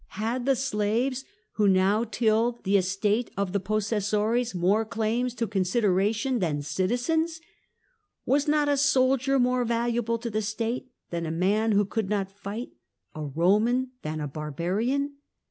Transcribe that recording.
Had the slaves who now tilled the estate of the possessor cs more claims to consideration than citizens? Was not a soldier more valuable to the state than a man who could not fight, a Roman than a barbarian ?